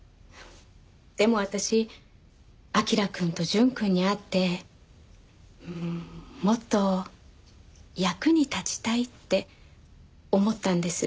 でも私彬くんと淳くんに会ってうーんもっと役に立ちたいって思ったんです。